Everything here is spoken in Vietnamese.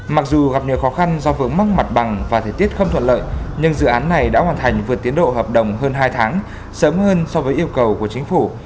mặc dù gặp nhiều khó khăn do vướng mắc mặt bằng và thời tiết không thuận lợi nhưng dự án này đã hoàn thành vượt tiến độ hợp đồng hơn hai tháng sớm hơn so với yêu cầu của chính phủ